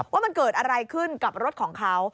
ว่ามันเกิดอะไรขึ้นกับรถของเขา